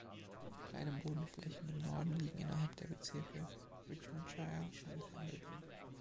Kleine Bodenflächen im Norden liegen innerhalb der Bezirke Richmondshire und Hambleton.